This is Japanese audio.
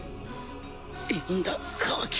いいんだカワキ